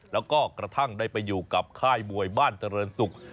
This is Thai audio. แล้วก็กระทั่งได้ไปอยู่กับค่ายมวยบ้านเจริญศุกร์